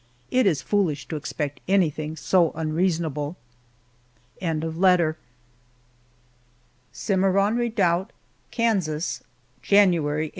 It is foolish to expect anything so unreasonable. CIMARRON REDOUBT, KANSAS, January, 1873.